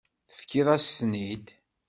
Tefkiḍ-asent-ten-id.